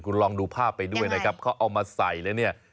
คุณลองดูภาพไปด้วยนะครับเขาเอามาใส่แล้วเนี่ย